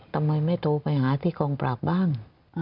ทำไมไม่โทรไปหาที่กองปราบบ้าง